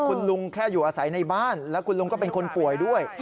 คุณลุงแค่อยู่อาศัยในบ้านแล้วคุณลุงก็เป็นคนป่วยด้วย